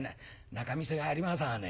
仲見世がありまさぁね。